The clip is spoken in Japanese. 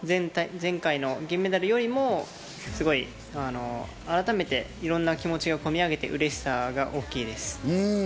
前回の銀メダルよりも改めていろんな気持ちが込み上げて、うれしさが大きいです。